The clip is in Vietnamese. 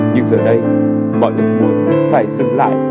nhưng giờ đây mọi người muốn phải dừng lại